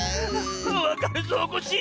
わかるぞコッシー！